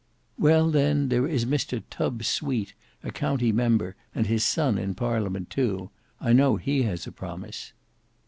"Well then there is Mr Tubbe Sweete, a county member, and his son in parliament too—I know he has a promise."